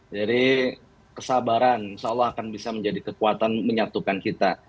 jadi kesabaran insya allah akan bisa menjadi kekuatan menyatukan kita